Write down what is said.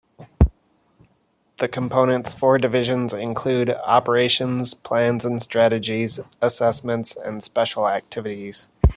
The Component's four Divisions include: Operations, Plans and Strategy, Assessments, and Special Activities.